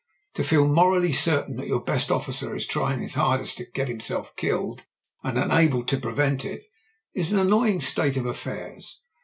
To feel morally certain that your best officer is trying his hardest to get himself killed, and to be unable to prevent it, is an annoying state of affairs.